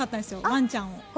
ワンちゃんを。